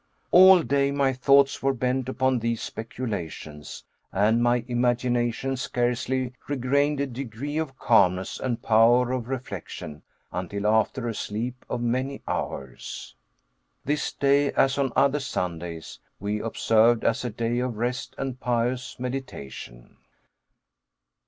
All day my thoughts were bent upon these speculations, and my imagination scarcely regained a degree of calmness and power of reflection until after a sleep of many hours. This day, as on other Sundays, we observed as a day of rest and pious meditation.